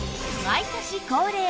毎年恒例